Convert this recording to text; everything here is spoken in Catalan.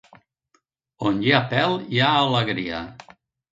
On hi ha pèl, hi ha alegria.